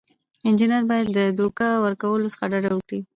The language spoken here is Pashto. انجینر باید د دوکه ورکولو څخه ډډه وکړي.